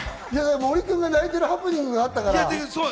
森君が泣いてるハプニングがあったから。